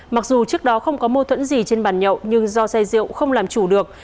mặc dù trước đó không có mâu thuẫn gì trên bàn nhậu nhưng do say rượu không làm chủ được